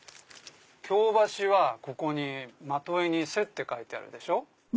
京橋はここにまといに「せ」って書いてあるでしょ。